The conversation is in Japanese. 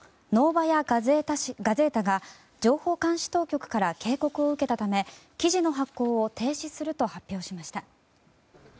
ノーバヤ・ガゼータが情報監視当局から警告を受けたため記事の発行を停止すると発表しました。